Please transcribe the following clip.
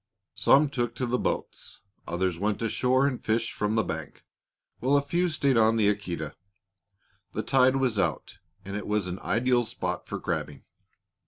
Some took to the boats, others went ashore and fished from the bank, while a few stayed on the Aquita. The tide was out and it was an ideal spot for crabbing.